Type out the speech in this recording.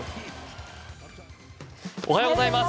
おはようございます